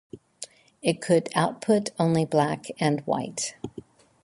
It could output only black and white.